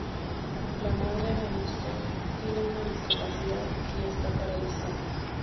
La madre de Munster tiene una discapacidad y está paralizada.